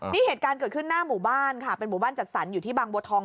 นี่เหตุการณ์เกิดขึ้นหน้าหมู่บ้านค่ะเป็นหมู่บ้านจัดสรรอยู่ที่บางบัวทอง